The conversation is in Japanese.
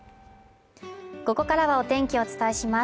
ここからはお天気をお伝えします